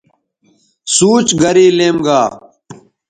سوچ گرے لیم گا